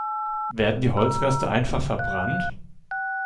Werden die Holzreste einfach verbrannt?